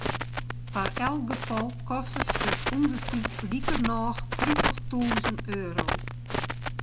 Foar elk gefal kostet it ûndersyk likernôch tritichtûzen euro.